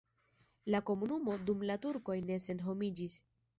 La komunumo dum la turkoj ne senhomiĝis.